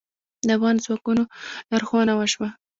د افغان ځواکونو لارښوونه وشوه.